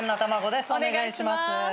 お願いします。